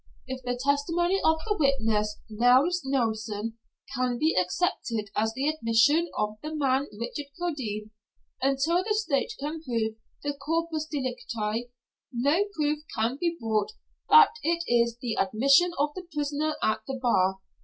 If the testimony of the witness Nels Nelson can be accepted as the admission of the man Richard Kildene, until the State can prove the corpus delicti, no proof can be brought that it is the admission of the prisoner at the bar.